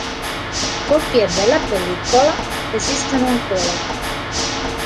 Copie della pellicola esistono ancora.